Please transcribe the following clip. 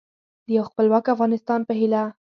د یو خپلواک افغانستان په هیله